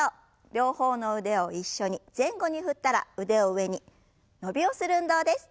両方の腕を一緒に前後に振ったら腕を上に伸びをする運動です。